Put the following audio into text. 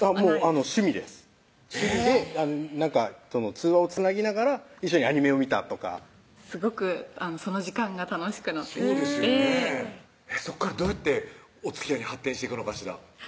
通話をつなぎながら一緒にアニメを見たとかすごくその時間が楽しくなってきてそこからどうやっておつきあいに発展していくのかしら？